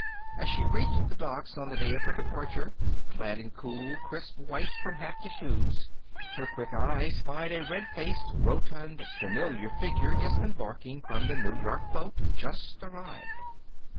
As she reached the docks on the day of her departure, clad in cool, crisp white from hat to shoes, her quick eye spied a red faced, rotund, familiar figure disembarking from the New York boat, just arrived.